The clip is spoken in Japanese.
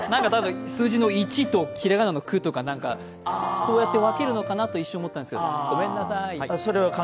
数字の１とひらがなのくとかそうやって分けるのかなと一瞬思ったんですけど、ごめんなさい。